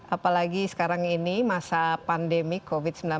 apalagi sekarang ini masa pandemi covid sembilan belas